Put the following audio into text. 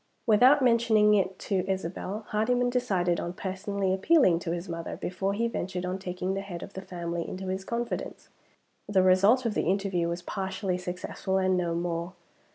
Without mentioning it to Isabel, Hardyman decided on personally appealing to his mother before he ventured on taking the head of the family into his confidence. The result of the interview was partially successful and no more.